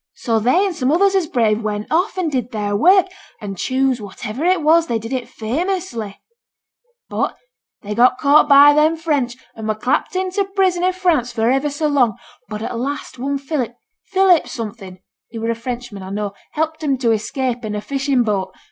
So they, an' some others as brave, went off, an' did their work, an' choose whativer it was, they did it famously; but they got caught by them French, an' were clapped into prison i' France for iver so long; but at last one Philip Philip somethin' (he were a Frenchman, I know) helped 'em to escape, in a fishin' boat.